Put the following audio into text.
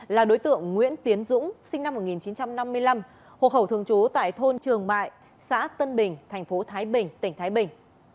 là đối tượng nguyễn tiến dũng sinh năm một nghìn chín trăm năm mươi năm hộ khẩu thường trú tại thôn trường bại xã tân bình thành phố thái bình tỉnh thái bình